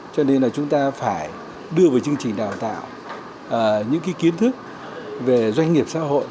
cho nên là chúng ta phải đưa vào chương trình đào tạo những kiến thức về doanh nghiệp xã hội